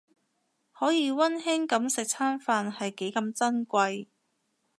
可以溫馨噉食餐飯係幾咁珍貴